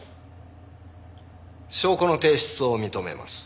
証拠の提出を認めます。